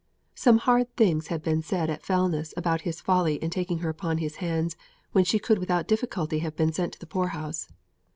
Some hard things had been said at Fellness about his folly in taking her upon his hands when she could without difficulty have been sent to the poorhouse.